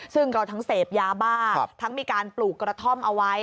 ซึ่งก็ทั้งเสพยาบ้าทั้งมีการปลูกกระท่อมเอาไว้